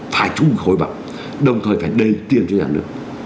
phải thu hồi bằng đồng thời phải đề tiên cho nhà nước